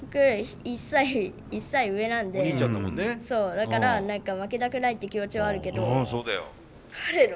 だから何か負けたくないって気持ちはあるけど彼の領域違うから。